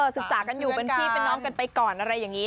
ศึกษากันอยู่เป็นพี่เป็นน้องกันไปก่อนอะไรอย่างนี้